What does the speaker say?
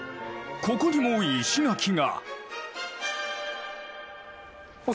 ここにも石垣が。